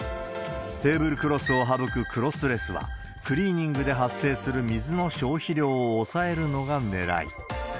テーブルクロスを省くクロスレスは、クリーニングで発生する水の消費量を抑えるのがねらい。